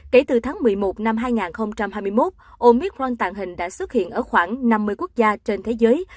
kể từ tháng một mươi một năm hai nghìn hai mươi một omicron tàng hình đã xuất hiện ở khoảng năm mươi quốc gia trên thế giới